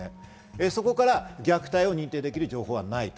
そこから虐待を認定できる情報はないと。